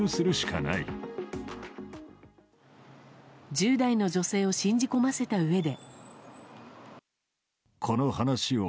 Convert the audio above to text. １０代の女性を信じ込ませたうえで。